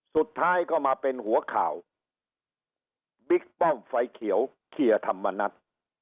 สุดท้ายก็มาเป็นหัวข่าวบิ๊กป้อมไฟเขียวเชียร์ธรรมนัฐ